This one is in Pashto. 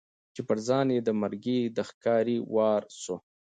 چي پر ځان یې د مرګي د ښکاري وار سو